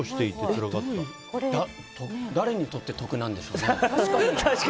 これ、誰にとって得なんでしょうね。